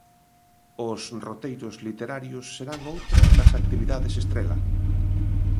Os roteiros literarios serán outra das actividades estrela.